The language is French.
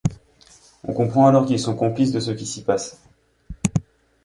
On comprend alors qu'ils sont complices de ce qui s'y passe.